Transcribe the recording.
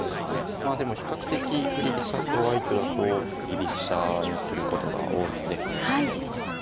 まあでも比較的振り飛車党相手だと居飛車にすることが多いので久保先生は。